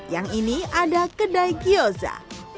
yang ini ada kedai kioza